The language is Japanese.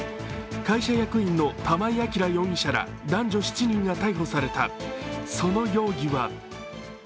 会社役員の玉井暁容疑者ら男女７人が逮捕された。